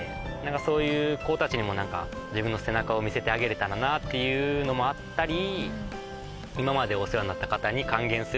そういう子たちにも何か自分の背中を見せてあげれたらなっていうのもあったり。